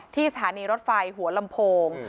สถานีรถไฟหัวลำโพง